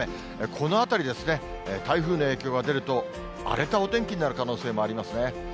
このあたりですね、台風の影響が出ると、荒れたお天気になる可能性もありますね。